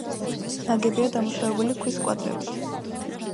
ნაგებია დამუშავებული ქვის კვადრებით.